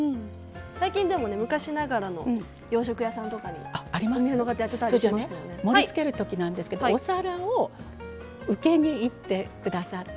最近昔ながらの洋食屋さんにも盛りつけるときなんですけどお皿を受けに入ってください。